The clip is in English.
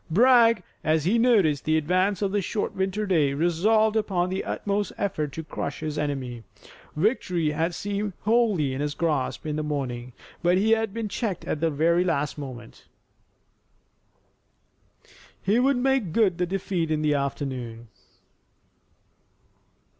Bragg, as he noticed the advance of the short winter day, resolved upon the utmost effort to crush his enemy. Victory had seemed wholly in his grasp in the morning, but he had been checked at the last moment. He would make good the defeat in the afternoon.